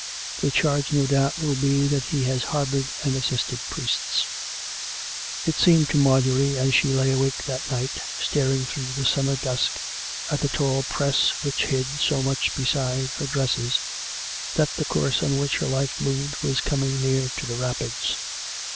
The charge, no doubt, will be that he has harboured and assisted priests." It seemed to Marjorie, as she lay awake that night, staring through the summer dusk at the tall press which hid so much beside her dresses, that the course on which her life moved was coming near to the rapids.